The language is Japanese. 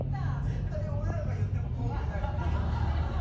絶対俺らが言っても通ってない。